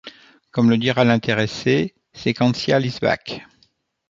Comme le dira l'intéressé: 'Sequential is back!'.